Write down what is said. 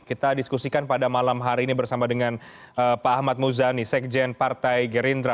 kita diskusikan pada malam hari ini bersama dengan pak ahmad muzani sekjen partai gerindra